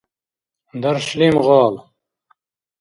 — Даршлим гъал.